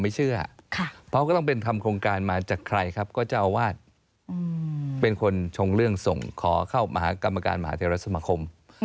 เชื่อเพราะก็ต้องเป็นทำโครงการมาจากใครครับก็เจ้าอาวาสเป็นคนชงเรื่องส่งขอเข้ามหากรรมการมหาเทรสมคม